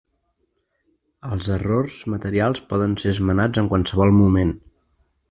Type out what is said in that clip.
Els errors materials poden ser esmenats en qualsevol moment.